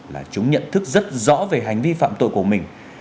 là chúng nhận thức rất rõ về hành vi phạm tội của mình